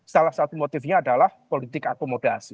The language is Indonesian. salah satu motifnya adalah politik akomodasi